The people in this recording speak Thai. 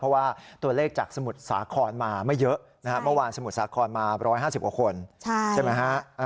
เพราะว่าตัวเลขจากสมุทรสาครมาไม่เยอะนะฮะเมื่อวานสมุทรสาครมา๑๕๐กว่าคนใช่ไหมฮะ